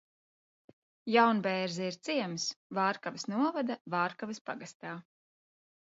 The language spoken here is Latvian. Jaunbērze ir ciems Vārkavas novada Vārkavas pagastā.